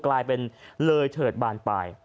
กลายเป็นเลยเถิดบานปลาย